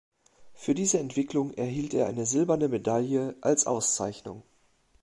Für diese Entwicklung erhielt er eine silberne Medaille als Auszeichnung.